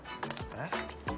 えっ？